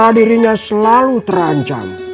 rasa dirinya selalu terancam